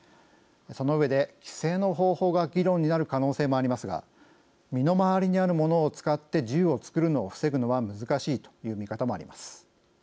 その上で規制の方法が議論になる可能性もありますが身の回りにあるものを使って銃を作るのを防ぐのは難しいという見方もあります。